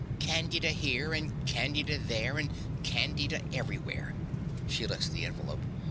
Candida here, and Candida there, and Candida everywhere! (She licks the envelope.)